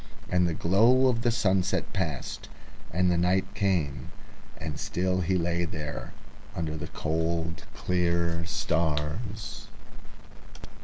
The glow of the sunset passed, and the night came, and still he lay peacefully contented under the cold clear stars.